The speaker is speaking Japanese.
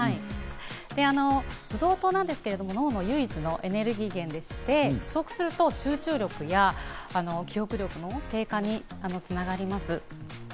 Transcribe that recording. ブドウ糖なんですけれども脳の唯一のエネルギー源でして、不足すると集中力や記憶力の低下につながります。